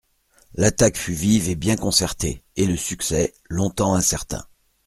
L'attaque fut vive et bien concertée, et le succès long-temps incertain.